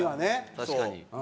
確かに。